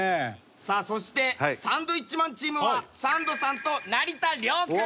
さあそしてサンドウィッチマンチームはサンドさんと成田凌君！